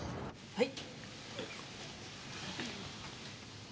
はい。